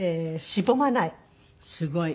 すごい。